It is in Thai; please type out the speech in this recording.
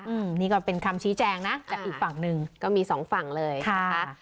อืมนี่ก็เป็นคำชี้แจงนะจากอีกฝั่งหนึ่งก็มีสองฝั่งเลยนะคะ